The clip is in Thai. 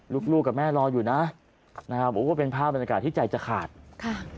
ลูกลูกกับแม่รออยู่นะนะครับโอ้ก็เป็นภาพบรรยากาศที่ใจจะขาดค่ะ